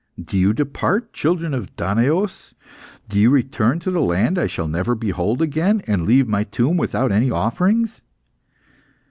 do you depart, children of Danaos? do you return to the land I shall never behold again, and leave my tomb without any offerings?"